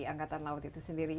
angkatan laut itu sendiri